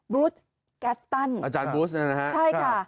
บรูซแกทตันอาจารย์บรูซใช่ค่ะ